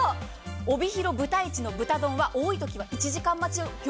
帯広のぶたいちの豚丼は多いときは１時間待ち。